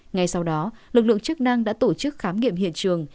ngay sau đó lực lượng chức năng đã tổ chức khám nghiệm hiện trường